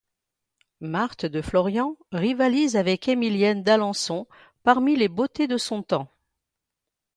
Marthe de Florian rivalise avec Émilienne d'Alençon parmi les beautés de son temps.